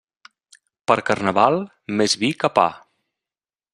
Per Carnaval, més vi que pa.